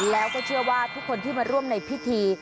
แล้วก็เชื่อว่าทุกคนที่มาร่วมในพิธี